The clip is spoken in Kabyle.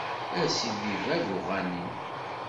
A sidi bab uγanim.